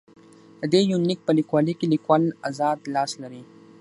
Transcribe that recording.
د دې يونليک په ليکلوکې ليکوال اذاد لاس لري.